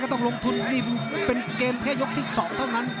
ต้องลงทุนนี่เป็นเกมแค่ยกที่๒เท่านั้น